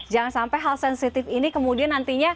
jangan sampai hal sensitif ini